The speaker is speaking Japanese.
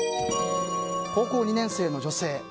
高校２年生の女性。